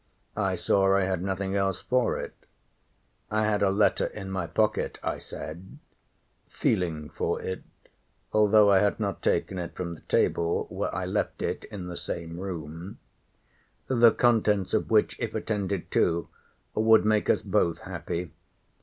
I saw I had nothing else for it. I had a letter in my pocket I said, [feeling for it, although I had not taken it from the table where I left it in the same room,] the contents of which, if attended to, would make us both happy.